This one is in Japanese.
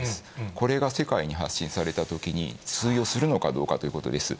これが世界に発信されたときに、通用するのかどうかということです。